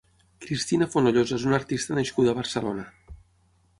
Cristina Fonollosa és una artista nascuda a Barcelona.